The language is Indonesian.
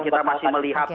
kita masih melihat ini